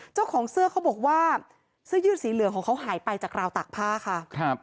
เจ้าของเสื้อเขาบอกว่าเสื้อยืดสีเหลืองของเขาหายไปจากราวตากผ้าค่ะครับ